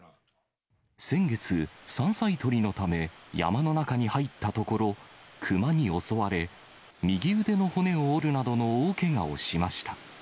先月、山菜採りのため、山の中に入ったところ、熊に襲われ、右腕の骨を折るなどの大けがをしました。